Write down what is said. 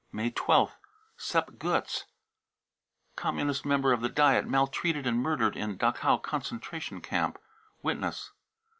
May 1 2th. sepp goetz, Communist member of the Diet, maltreat and murdered in Dachau concentration camp. (Witness.)